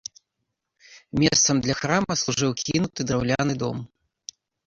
Месцам для храма служыў кінуты драўляны дом.